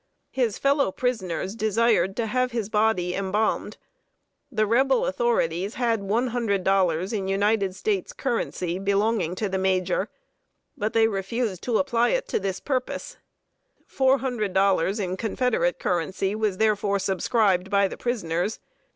His fellow prisoners desired to have his body embalmed. The Rebel authorities had one hundred dollars in United States currency, belonging to the major, but they refused to apply it to this purpose. Four hundred dollars in Confederate currency was therefore subscribed by the prisoners.